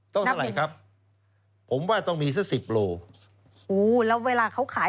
ต้องเท่าไรครับผมว่าต้องมีซะสิบโลอู๋แล้วเวลาเขาขาย